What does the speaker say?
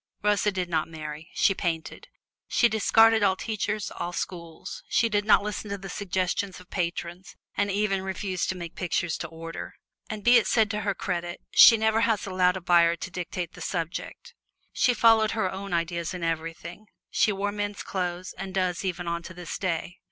Rosa did not marry: she painted. She discarded all teachers, all schools; she did not listen to the suggestions of patrons, and even refused to make pictures to order. And be it said to her credit, she never has allowed a buyer to dictate the subject. She followed her own ideas in everything; she wore men's clothes, and does even unto this day.